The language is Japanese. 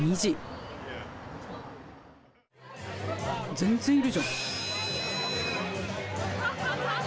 全然いるじゃん。